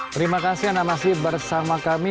terima kasih anda masih bersama kami